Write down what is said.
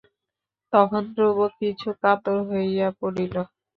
তখন ধ্রুব কিছু কাতর হইয়া পড়িল।